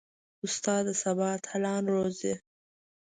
استاد د سبا اتلان روزي.